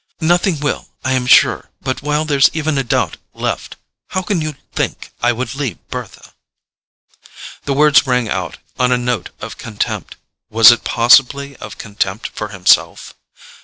"Nothing will, I am sure; but while there's even a doubt left, how can you think I would leave Bertha?" The words rang out on a note of contempt—was it possibly of contempt for himself?